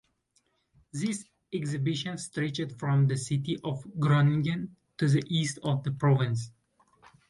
This exhibition stretched from the city of Groningen to the east of the province.